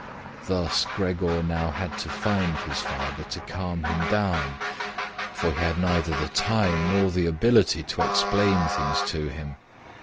Thus, Gregor now had to find his father to calm him down, for he had neither the time nor the ability to explain things to him.